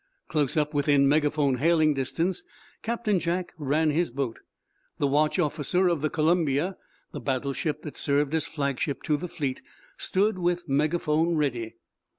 Close up within megaphone hailing distance Captain Jack ran his boat. The watch officer of the "Columbia," the battleship that served as flagship to the fleet, stood with megaphone ready.